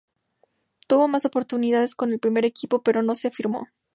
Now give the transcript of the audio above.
Tuvo más oportunidades con el primer equipo, pero no se afirmó.